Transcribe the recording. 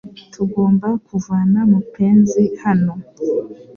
Tugomba kuvana mupenzi hano